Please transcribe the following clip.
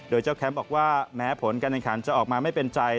โดยเจ้าแคมป์บอกว่าแม้ผลการแข่งขันจะออกมาไม่เป็นใจ